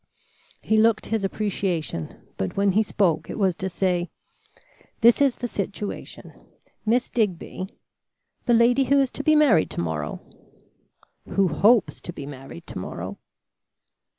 He looked his appreciation, but when he spoke it was to say: "This is the situation. Miss Digby " "The lady who is to be married to morrow?" "Who hopes to be married to morrow."